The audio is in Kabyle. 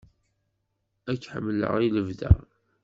Ad k-ḥemmleɣ i lebda!